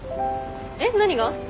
えっ何が？